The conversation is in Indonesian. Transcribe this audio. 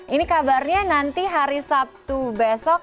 ini kabarnya nanti hari sabtu besok